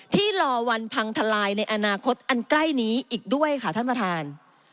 รอวันพังทลายในอนาคตอันใกล้นี้อีกด้วยค่ะท่านประธาน